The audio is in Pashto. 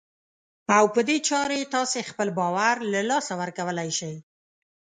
او په دې چارې تاسې خپل باور له لاسه ورکولای شئ.